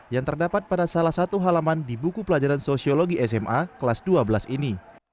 yang terdapat pada salah satu halaman di buku pelajaran sosiologi sma kelas dua belas ini